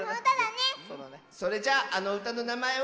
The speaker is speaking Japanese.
それじゃあのうたのなまえは。